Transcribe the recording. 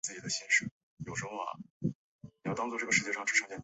二月革命前以广场上的征兆教堂名为征兆广场。